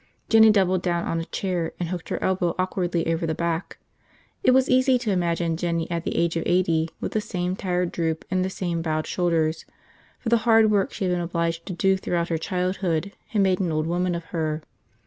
Jinny doubled down on a chair and hooked her elbow awkwardly over the back. It was easy to imagine Jinny at the age of eighty with the same tired droop and the same bowed shoulders, for the hard work she had been obliged to do throughout her childhood had made an old woman of her.